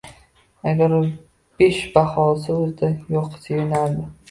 Agar u besh baho olsa, o‘zida yo‘q sevinardi.